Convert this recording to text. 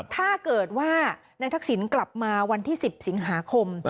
ถ้าเกิดว่านายทักษิณกลับมาวันที่๑๐สิงหาคม